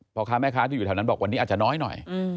พ่อค้าแม่ค้าที่อยู่แถวนั้นบอกวันนี้อาจจะน้อยหน่อย